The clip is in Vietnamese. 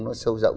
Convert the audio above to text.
nó sâu rộng